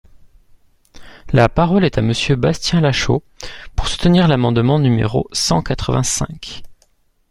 La parole est à Monsieur Bastien Lachaud, pour soutenir l’amendement numéro cent quatre-vingt-cinq.